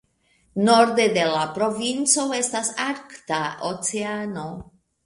Norde de la provinco estas Arkta Oceano.